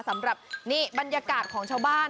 สำหรับนี่บรรยากาศของชาวบ้าน